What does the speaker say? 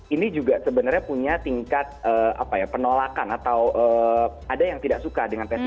ini juga sebenarnya punya tingkat penolakan atau ada yang tidak suka dengan psbb